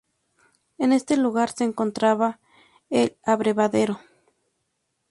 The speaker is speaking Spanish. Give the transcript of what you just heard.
En este lugar se encontraba el abrevadero.